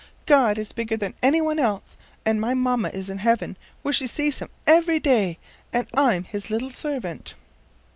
God is bigger than any one else, and my mamma is in heaven where she sees him every day, and I'm his little servant."